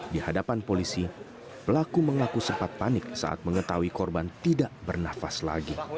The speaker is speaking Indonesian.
di hadapan polisi pelaku mengaku sempat panik saat mengetahui korban tidak bernafas lagi